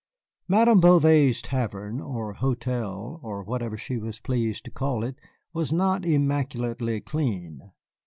Madame Bouvet's tavern, or hotel, or whatever she was pleased to call it, was not immaculately clean.